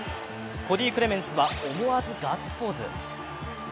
コディ・クレメンスは思わずガッツポーズ。